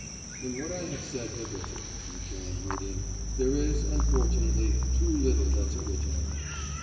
'In what I have said hitherto,' rejoined Rudin, 'there is, unfortunately, too little that's original.